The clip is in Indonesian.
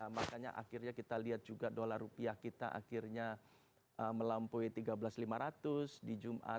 makanya akhirnya kita lihat juga dolar rupiah kita akhirnya melampaui tiga belas lima ratus di jumat